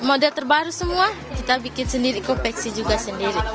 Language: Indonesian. model terbaru semua kita bikin sendiri kopeksi juga sendiri